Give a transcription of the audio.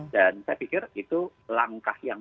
dan saya pikir itu langkah yang